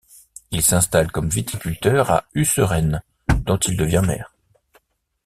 Il s'installe comme viticulteur à Husseren, dont il devient maire.